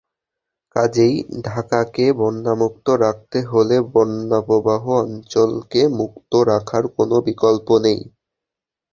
কাজেই ঢাকাকে বন্যামুক্ত রাখতে হলে বন্যাপ্রবাহ অঞ্চলকে মুক্ত রাখার কোনো বিকল্প নেই।